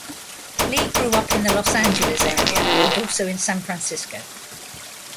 Lee grew up in the Los Angeles area, and also in San Francisco.